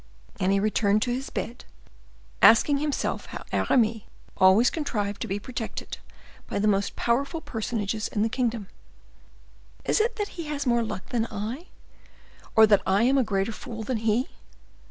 And he returned to his bed, asking himself how Aramis always contrived to be protected by the most powerful personages in the kingdom. "Is it that he has more luck than I, or that I am a greater fool than he?